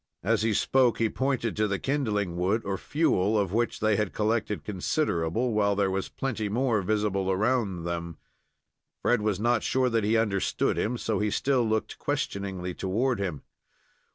As he spoke, he pointed to the kindling wood, or fuel, of which they had collected considerable, while there was plenty more visible around them. Fred was not sure that he understood him, so he still looked questioningly toward him.